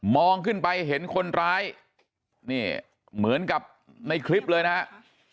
องขึ้นไปเห็นคนร้ายนี่เหมือนกับในคลิปเลยนะครับ